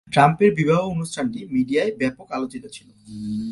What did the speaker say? ট্রাম্পের বিবাহ অনুষ্ঠানটি মিডিয়ায় ব্যাপক আলোচিত ছিলো।